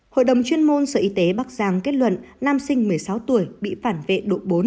hội đồng chuyên môn sở y tế bắc giang kết luận nam sinh một mươi sáu tuổi bị phản vệ độ bốn